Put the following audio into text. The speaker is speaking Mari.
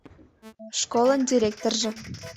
Школын директоржо.